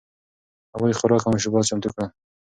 هغوی خوراک او مشروبات چمتو کړل.